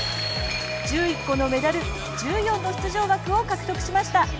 １１個のメダル１４の出場枠を獲得しました。